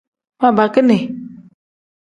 Babakini.